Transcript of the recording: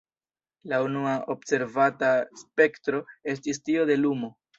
La unua observata spektro estis tio de lumo.